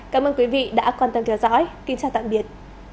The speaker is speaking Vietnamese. cảm ơn quý vị đã quan tâm theo dõi kính chào tạm biệt